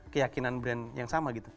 keyakinan brand yang sama gitu